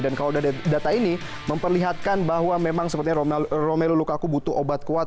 dan kalau dari data ini memperlihatkan bahwa memang sepertinya romelu lukaku butuh obat kuat